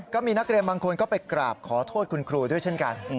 ก็มีนักเรียนบางคนก็ไปกราบขอโทษคุณครูด้วยเช่นกัน